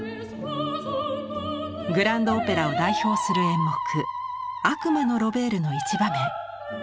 グランド・オペラを代表する演目「悪魔のロベール」の一場面。